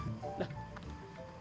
iya dong cang besi dari besi ini besi ini